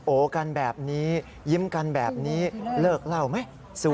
กันแบบนี้ยิ้มกันแบบนี้เลิกเล่าไหม